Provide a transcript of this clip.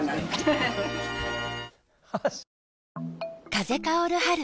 風薫る春。